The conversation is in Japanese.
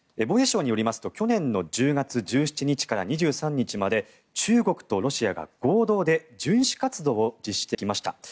防衛省によりますと去年１０月１７日から２３日まで中国とロシアが合同で巡視活動を実施してきました。